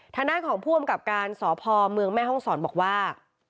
ธนาคของผู้อำกับการสพมแม่ห้องศรบอกว่า